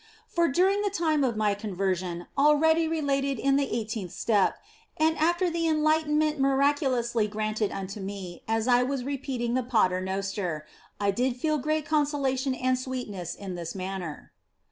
For during the time of my conversion, already related in the eighteenth step, and after the enlightenment miraculously granted unto me as I was repeating the Paternoster, I did feel great consolation and sweetness in this manner.